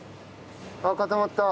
あっ固まった。